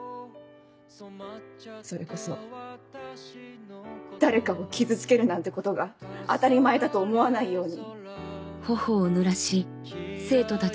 それこそ誰かを傷つけるなんてことが当たり前だと思わないように。